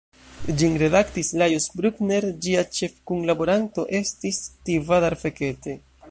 Ĝin redaktis Lajos Bruckner, ĝia ĉefkunlaboranto estis Tivadar Fekete.